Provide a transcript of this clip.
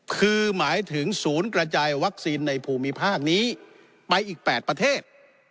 คือหมายถึงศูนย์กระจายวัคซีนในภูมิภาคนี้ไปอีก๘ประเทศ